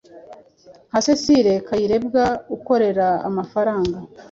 nka Cécile Kayirebwa ukorera amafaranga